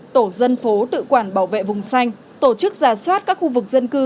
tổ dân phố tự quản bảo vệ vùng xanh tổ chức giả soát các khu vực dân cư